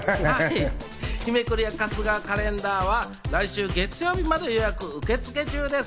日めくり『春日カレンダー』は来週月曜日まで予約受付中です。